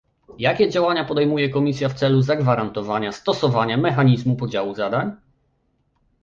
jakie działania podejmuje Komisja w celu zagwarantowania stosowania mechanizmu podziału zadań?